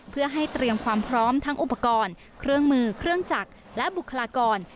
เพื่อให้เตรียมความพร้อมทั้งอุปกรณ์เครื่องมือเครื่องจักรและบุคลากร